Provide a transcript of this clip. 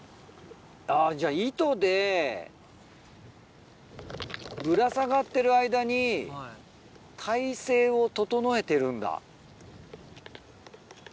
じゃあ糸でぶら下がってる間に体勢を整えてるんだ。